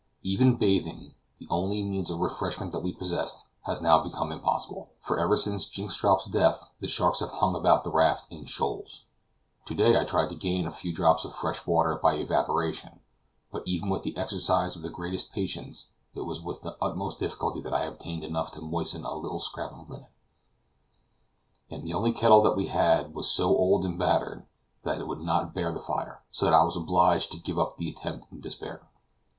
Even bathing, the only means of refreshment that we possessed, has now become impossible, for ever since Jynxstrop's death the sharks have hung about the raft in shoals. To day I tried to gain a few drops of fresh water by evaporation, but even with the exercise of the greatest patience, it was with the utmost difficulty that I obtained enough to moisten a little scrap of linen; and the only kettle that we had was so old and battered, that it would not bear the fire, so that I was obliged to give up the attempt in despair.